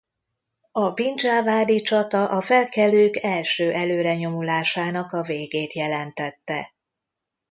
A Bin Dzsávád-i csata a felkelők első előrenyomulásának a végét jelentette.